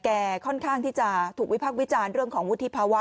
ค่อนข้างที่จะถูกวิพักษ์วิจารณ์เรื่องของวุฒิภาวะ